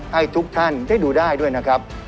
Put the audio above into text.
ให้ทุกท่านได้ดูได้ด้วยนะครับ